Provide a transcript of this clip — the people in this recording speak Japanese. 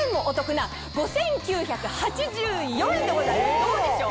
どうでしょう？